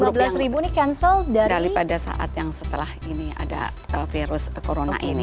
belum lagi ada grup grup yang lima belas ini cancel dari pada saat yang setelah ini ada virus ini